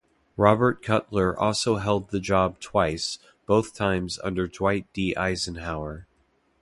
Robert Cutler also held the job twice, both times under Dwight D. Eisenhower.